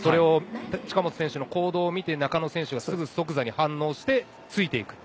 近本選手の行動を見て中野選手が反応してついていく。